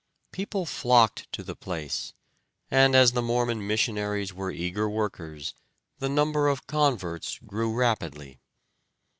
People flocked to the place, and as the Mormon missionaries were eager workers the number of converts grew rapidly.